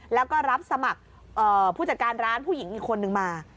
แล้วก็รับสมัครผู้จัดการร้านผู้หญิงอีกคนนึงมา